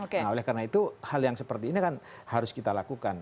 nah oleh karena itu hal yang seperti ini kan harus kita lakukan